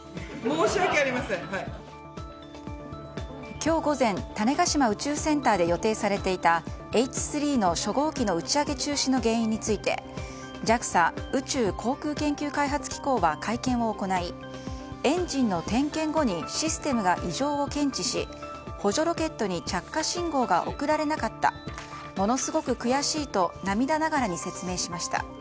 今日午前種子島宇宙センターで予定されていた、Ｈ３の初号機の打ち上げ中止の原因についてＪＡＸＡ・宇宙航空研究開発機構は会見を行いエンジンの点火後にシステムが異常を検知し補助ロケットに着火信号が送られなかったものすごく悔しいと涙ながらに説明しました。